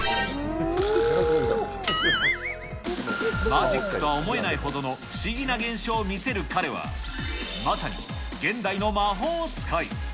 マジックとは思えないほどの不思議な現象を見せる彼は、まさに現代の魔法使い。